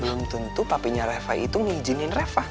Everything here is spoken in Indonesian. belum tentu papinya reva itu mengizinin reva